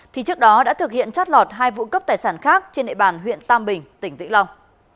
thì trước đó đã thực hiện trót lọt hai vụ cướp tài sản khác trên địa bàn huyện tam bình tỉnh vĩnh long